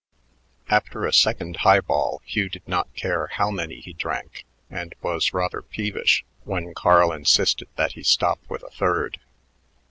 After a second high ball Hugh did not care how many he drank and was rather peevish when Carl insisted that he stop with a third.